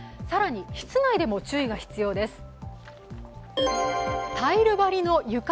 更に室内でも注意が必要です。